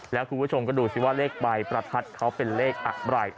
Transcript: แล้วคุณผู้ชมก็ดูสิว่าเลขใบประทัดเขาเป็นเลขอะไร